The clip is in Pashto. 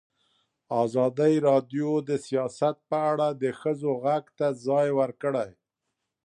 ازادي راډیو د سیاست په اړه د ښځو غږ ته ځای ورکړی.